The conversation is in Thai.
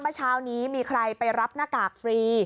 เมื่อเช้านี้มีใครไปรับหน้ากากฟรี